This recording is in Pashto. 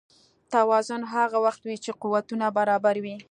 توازن هغه وخت وي چې قوتونه برابر وي.